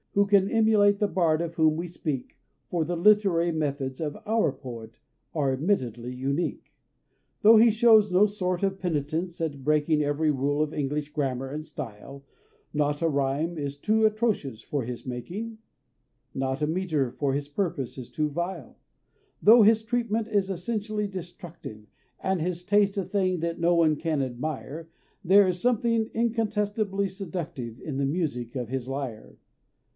Who can emulate the bard of whom we speak, For the literary methods of our poet Are admittedly unique! Tho' he shows no sort of penitence at breaking Ev'ry rule of English grammar and of style, (Not a rhyme is too atrocious for his making, Not a metre for his purpose is too vile!) Tho' his treatment is essentially destructive, And his taste a thing that no one can admire, There is something incontestably seductive In the music of his lyre!